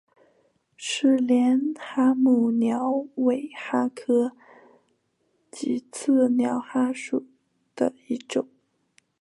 是帘蛤目鸟尾蛤科棘刺鸟蛤属的一种。